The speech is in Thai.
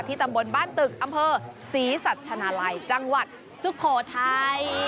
ตำบลบ้านตึกอำเภอศรีสัชนาลัยจังหวัดสุโขทัย